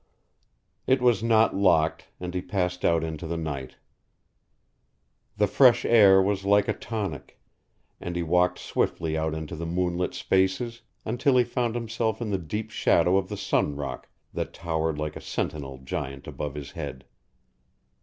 It was not locked, and he passed out into the night. The fresh air was like a tonic, and he walked swiftly out into the moonlit spaces, until he found himself in the deep shadow of the Sun Rock that towered like a sentinel giant above his head.